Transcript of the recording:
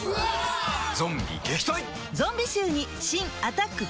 ゾンビ撃退！